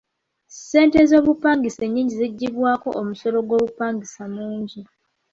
Ssente z'obupangisa ennyingi ziggyibwako omusolo gw'obupangisa mungi.